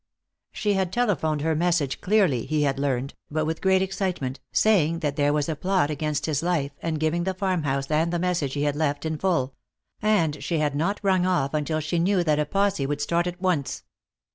She had telephoned her message clearly, he had learned, but with great excitement, saying that there was a plot against his life, and giving the farmhouse and the message he had left in full; and she had not rung off until she knew that a posse would start at once.